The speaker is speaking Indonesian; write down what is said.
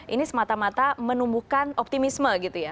ini semata mata menumbuhkan optimisme gitu ya